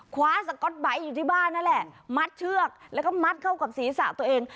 คว้าสก๊อตไบท์อยู่ที่บ้านนั่นแหละมัดเชือกแล้วก็มัดเข้ากับศีรษะตัวเอง